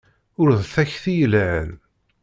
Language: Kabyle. Ta d takti yelhan!